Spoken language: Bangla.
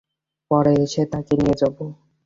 পরে এসে তোকে নিয়ে যাবো।